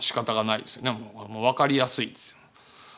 分かりやすいですよ。